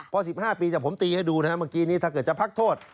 พอ๑๕ปีแต่ผมตีให้ดูนะครับเมื่อกี้นี้ถ้าเกิดจะพักโทษ